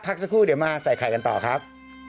สักครู่เดี๋ยวมาใส่ไข่กันต่อครับ